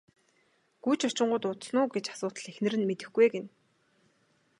Гүйж очингуут удсан уу гэж асуутал эхнэр нь мэдэхгүй ээ гэнэ.